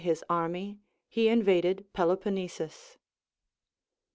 is 'army he invaded Peloponnesus.